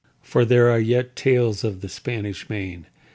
For there are yet tales of the Spanish Main.